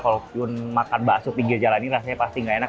walaupun makan bakso pinggir jalan ini rasanya pasti gak enak